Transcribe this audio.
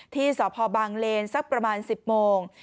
ที่สพบางเลนสักประมาณ๑๐โมง